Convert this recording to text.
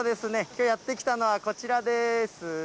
きょう、やって来たのはこちらです。